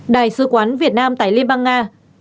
đại sứ quán việt nam tại liên bang nga